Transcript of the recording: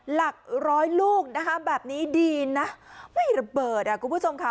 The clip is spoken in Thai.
หลักร้อยลูกนะคะแบบนี้ดีนะไม่ระเบิดอ่ะคุณผู้ชมค่ะ